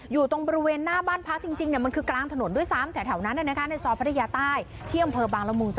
อยู่ตรงบริเวณหน้าบ้านพลักษณ์จริงมันคือกลางถนนด้วยซ้ำ